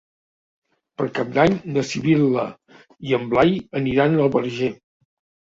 Per Cap d'Any na Sibil·la i en Blai aniran al Verger.